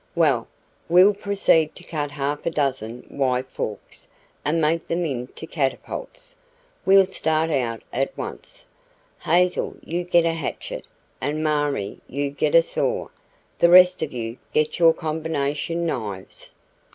"Well, we'll proceed to cut half a dozen Y forks and make them into catapults. We'll start out at once. Hazel, you get a hatchet, and, Marie, you get a saw; the rest of you get your combination knives."